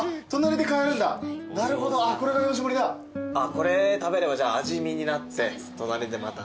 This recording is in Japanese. これ食べれば味見になって隣でまた。